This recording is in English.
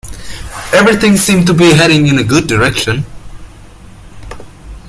Everything seemed to be heading in a good direction.